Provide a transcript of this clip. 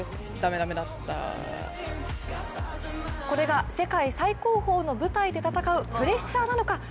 これが世界最高峰の舞台で戦うプレッシャーなのか。